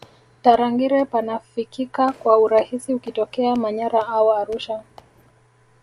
tarangire panafikika kwa urahisi ukitokea manyara au arusha